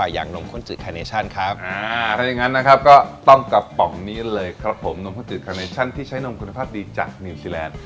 เป็นสูตรโบราณว่างั้นเถอะ